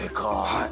はい。